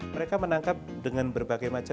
mereka menangkap dengan berbahaya